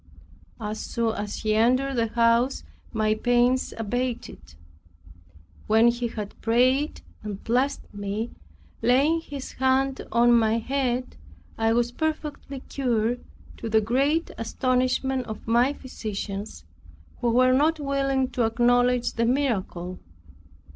As soon as he entered the house my pains abated; when he had prayed and blessed me, laying his hand on my head, I was perfectly cured, to the great astonishment of my physicians; who were not willing to acknowledge the miracle.